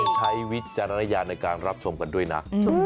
ใช้วิจารณญาณในการรับชมกันด้วยนะ